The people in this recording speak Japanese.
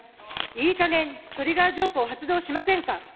いいかげんトリガー条項発動しませんか。